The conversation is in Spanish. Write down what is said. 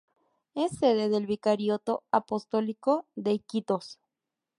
Es sede del Vicariato Apostólico de Iquitos.